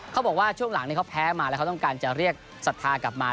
เขาบอกว่าช่วงหลังเขาแพ้มาแล้วเขาต้องการจะเรียกศรัทธากลับมา